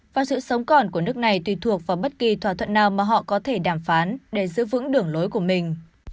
và sự sống còn của nước này tùy thuộc vào bất kỳ thỏa thuận nào mà họ có thể đàm phán để giữ vững đường lối của mình